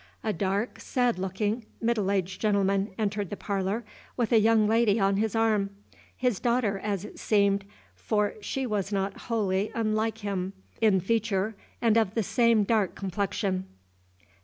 A dark, sad looking, middle aged gentleman entered the parlor, with a young lady on his arm, his daughter, as it seemed, for she was not wholly unlike him in feature, and of the same dark complexion.